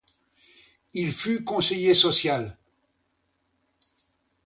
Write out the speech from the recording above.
Il fut conseiller social.